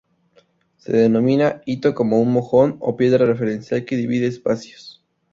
Se denomina Hito como un mojón o piedra referencial que divide espacios.